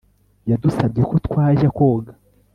yadusabye ko twajya koga